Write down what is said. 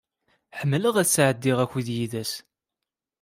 Ḥemmleɣ ad sɛeddiɣ akud yid-s.